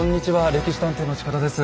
「歴史探偵」の近田です。